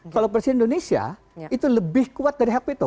kalau presiden indonesia itu lebih kuat dari hak veto